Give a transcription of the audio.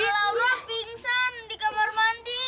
laura pingsan di kamar mandi